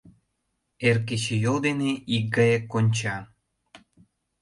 Эр кечыйол ден икгае конча.